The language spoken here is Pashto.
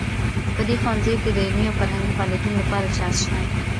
په دې ښوونځي کې د علمي او فرهنګي فعالیتونو لپاره چانس شته